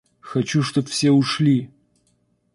Хочу чтоб все ушли!